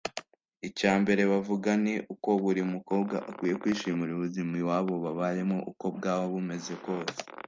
Icya mbere bavuga ni uko buri mukobwa akwiye kwishimira ubuzima iwabo babayemo uko bwaba bumeze kose